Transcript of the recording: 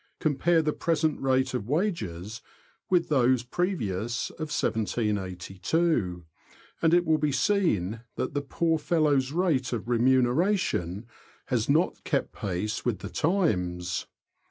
Compare the present rate of wages with those of 1782, and it will be seen that the poor fellow's rate of remuneration has not kept pace with the times.